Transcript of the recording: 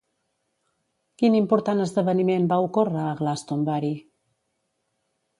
Quin important esdeveniment va ocórrer a Glastonbury?